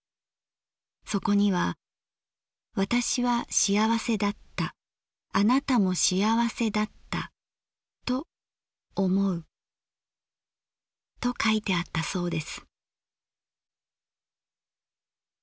そこには「わたしは幸せだった。あなたも幸せだったとおもう」と書いてあったそうです。